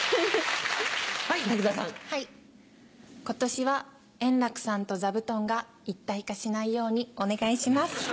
今年は円楽さんと座布団が一体化しないようにお願いします。